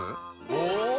お！